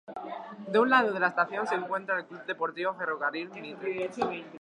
De un lado de la estación se encuentra el Club Deportivo Ferrocarril Mitre.